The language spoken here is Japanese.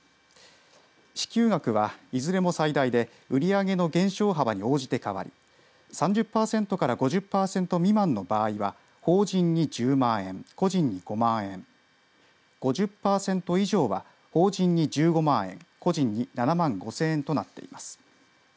支給額は、いずれも最大で売り上げの減少幅に応じて変わり３０パーセントから５０パーセント未満の場合は法人に１０万円、個人に５万円５０パーセント以上は法人に１５万円個人に７万５０００円となっています。